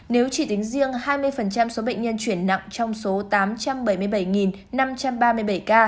nếu chỉ tính riêng hai mươi số bệnh nhân chuyển nặng trong số tám trăm bảy mươi bảy năm trăm ba mươi bảy ca